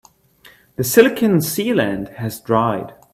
The silicon sealant has dried.